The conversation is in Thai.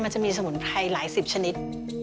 มันจะมีสมุนไพรหลายสิบชนิด